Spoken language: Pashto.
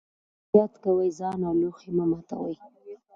احتیاط کوئ، ځان او لوښي مه ماتوئ.